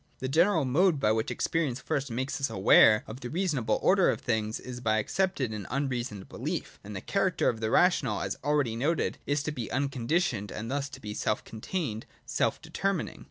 The general mode by which experience first makes us aware of the reasonable order of things is by accepted and unreasoned belief; and the character of the rational, as already noted {§ 45), is to be unconditioned, and thus to be self contained, self determining.